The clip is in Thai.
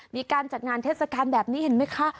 มีการจัดงานเทศกาลแบบนี้เห็นไหมคะ